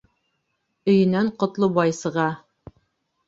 Өйөнән Ҡотлобай сыға.